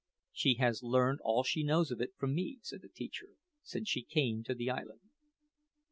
"She has learned all she knows of it from me," said the teacher, "since she came to the island."